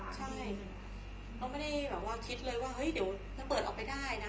ก็ไม่ได้มาว่าคิดเลยว่าเฮ้ยเดี๋ยวเปิดออกได้นะ